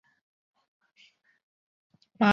三门豹蛛为狼蛛科豹蛛属的动物。